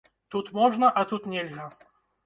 Тут можна, а тут нельга.